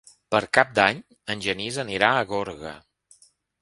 Per Cap d'Any en Genís anirà a Gorga.